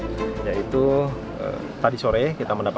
tadi sore kita mendapatkan laporan terkait penemuan mayat